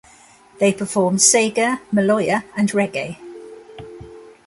They perform sega, maloya and reggae.